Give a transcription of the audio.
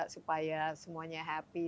supaya semuanya happy